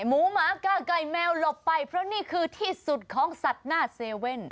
หมูหมาก้าวไก่แมวหลบไปเพราะนี่คือที่สุดของสัตว์หน้าเซเว่น